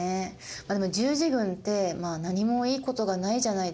十字軍って何もいいことがないじゃないですか。